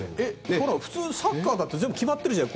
普通サッカーだって全部決まってるじゃん